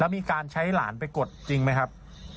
มีการใช้หลานไปกดจริงไหมครับ